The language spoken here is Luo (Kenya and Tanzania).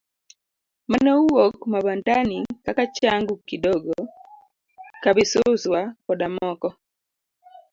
Mane owuok Mabandani kaka Changu Kidogo, Kabisuswa koda moko.